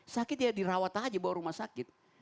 sakit ya dirawat aja bawa rumah sakit